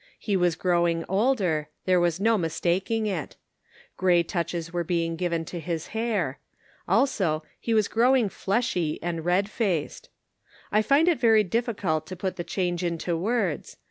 He was growing older, there was no mistaking it; gray touches were being given to his hair. Also he was growing fleshy and red faced. I find it very difficult to put the change into words.